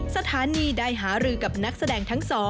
สถานีได้หารือกับนักแสดงทั้ง๒